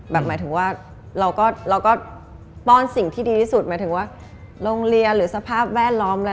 หมายถึงว่าเราก็ป้อนสิ่งที่ดีที่สุดหมายถึงว่าโรงเรียนหรือสภาพแวดล้อมอะไร